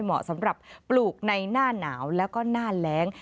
เหมาะสำหรับปลูกในหน้าหนาวแล้วก็หน้าแรง